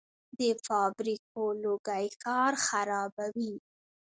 د فابریکو لوګي ښار خرابوي.